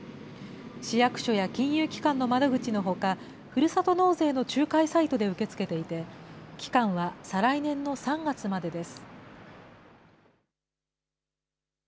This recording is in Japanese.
市役所や金融機関の窓口のほか、ふるさと納税の仲介サイトで受け付けていて、期間は再来年の３月までです。